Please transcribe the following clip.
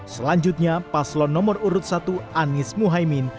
selanjutnya paslon nomor urut satu anies muhaymin